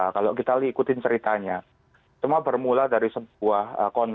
kalau kita ikutin ceritanya cuma bermula dari sebuah konflik